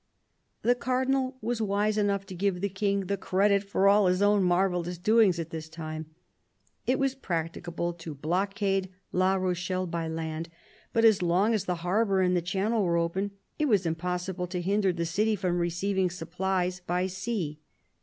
The Cardinal was wise enough to give the King the credit of all his own marvellous doings at this time. It was practicable to blockade La Rochelle by land; but as long as the harbour and channel were open, it was impossible to hinder the city from receiving supplies by sea.